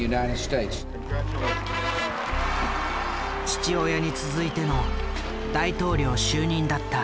父親に続いての大統領就任だった。